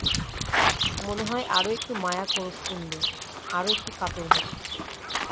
মনে হয় আরও একটু মায়া করুক কুন্দ, আরও একটু কাতর হোক।